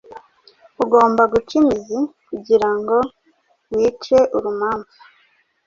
Ugomba guca imizi kugirango wice urumamfu